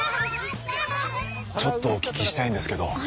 ちょっとお聞きしたいんですけど。